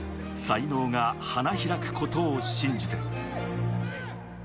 才能が花開くことを信じて。